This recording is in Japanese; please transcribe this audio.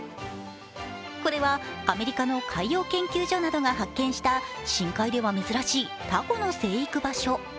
これはアメリカの海洋研究所などが発見した深海では珍しい、たこの生育場所。